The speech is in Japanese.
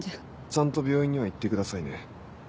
ちゃんと病院には行ってくださいね。